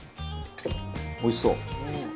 「おいしそう！」